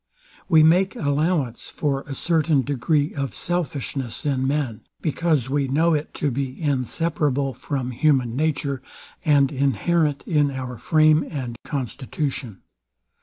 We make allowance for a certain degree of selfishness in men; because we know it to be inseparable from human nature, and inherent in our frame and constitution.